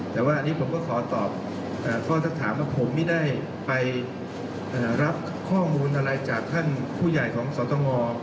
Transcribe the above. แต่ว่าอันนี้ผมก็ขอตอบข้อสักถามว่าผมไม่ได้ไปรับข้อมูลอะไรจากท่านผู้ใหญ่ของสตง